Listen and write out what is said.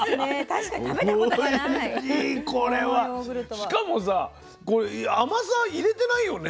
しかもさこれ甘さ入れてないよね？